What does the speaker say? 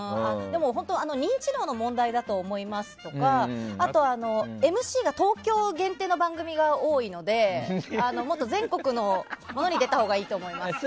認知度の問題だと思いますとかあとはＭＣが東京限定の番組が多いのでもっと全国のものに出たほうがいいと思いますとか。